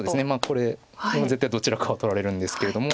これ絶対どちらかは取られるんですけれども。